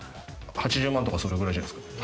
８０万とかそれぐらいじゃないですか。